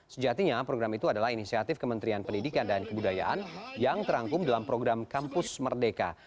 sejatinya program itu adalah inisiatif kementerian pendidikan dan kebudayaan yang terangkum dalam program kampus merdeka